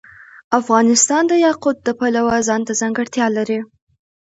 افغانستان د یاقوت د پلوه ځانته ځانګړتیا لري.